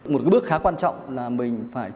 một cái bước khá quan trọng là mình phải